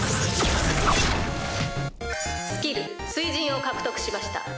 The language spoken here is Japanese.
スキル「水刃」を獲得しました。